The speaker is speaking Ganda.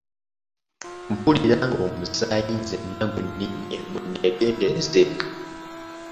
Mpulira ng'omusaayi nzenna gunninye munneegendereze.